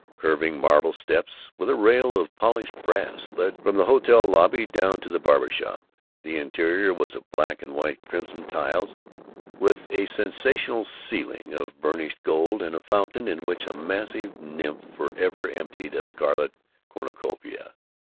Curving marble steps with a rail of polished brass led from the hotel lobby down to the barber shop. The interior was of black and white and crimson tiles, with a sensational ceiling of burnished gold, and a fountain in which a massive nymph forever emptied a scarlet cornucopia.